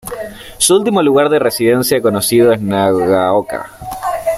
Su último lugar de residencia conocido es Nagaoka.